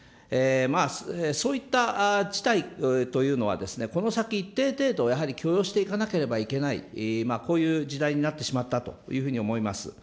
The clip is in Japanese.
そういった事態というのは、この先一定程度、やはり許容していかなければいけない、こういう時代になってしまったというふうに思います。